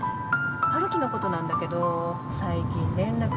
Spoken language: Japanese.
陽樹のことなんだけど最近連絡つかないし